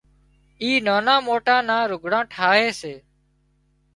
آي نانان موٽان نان لُگھڙان ٺاهي سي